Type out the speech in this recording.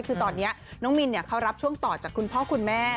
คือตอนนี้น้องมินเขารับช่วงต่อจากคุณพ่อคุณแม่